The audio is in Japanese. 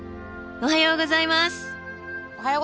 おはようございます。